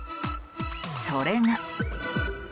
それが。